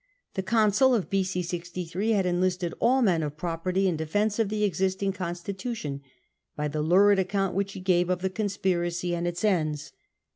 The consul of B.c. 63 had en listed all men of property in defence of the existing constitution by the lurid account which he gave of the conspiracy and its ends.